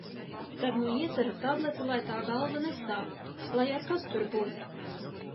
Tad nu iedzeru tableti, lai tā galva nesāp, lai ar kas tur būtu.